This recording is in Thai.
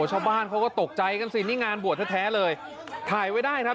ชาวบ้านเขาก็ตกใจกันสินี่งานบวชแท้แท้เลยถ่ายไว้ได้ครับ